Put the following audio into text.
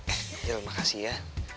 angel makasih ya